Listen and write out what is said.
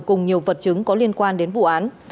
cùng nhiều vật chứng có liên quan đến vụ án